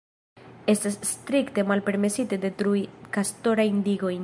Estas strikte malpermesite detrui kastorajn digojn.